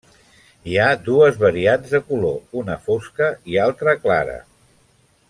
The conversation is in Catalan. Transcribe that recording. Hi ha dues variants de color, una fosca i altra clara.